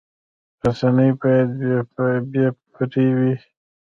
رسنۍ باید بې پرې وي